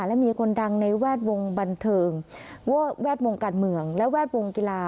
และมีคนดังในแวดวงบันเทิงแวดวงการเมืองและแวดวงกีฬา